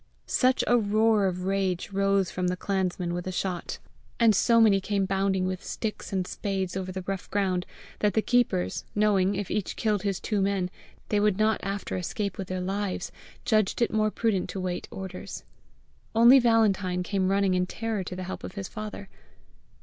Such a roar of rage rose from the clansmen with the shot, and so many came bounding with sticks and spades over the rough ground, that the keepers, knowing, if each killed his two men, they would not after escape with their lives, judged it more prudent to wait orders. Only Valentine came running in terror to the help of his father.